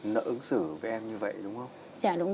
nợ ứng xử với em như vậy đúng không